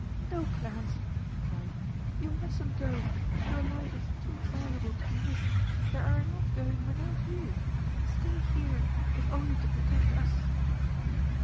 "No, Clarence!" she cried, "you mustn't go. Your life is too valuable to be risked there are enough going without you! Stay here if only to protect us!"